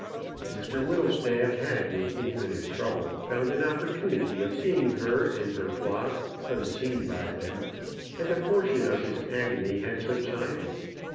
Mr Whittlestaff had with infinite trouble found an opportunity of seeing her and her flock, unseen by them, and a portion of his agony had subsided.